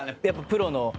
やっぱプロの。